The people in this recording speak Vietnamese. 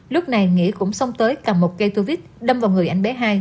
lúc này nghĩa cũng xông tới cầm một cây thuốc vít đâm vào người anh bé hai